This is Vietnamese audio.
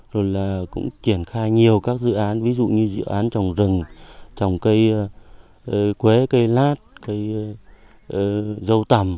rồi là cũng triển khai nhiều các dự án ví dụ như dự án trồng rừng trồng cây quế cây lát cây dâu tầm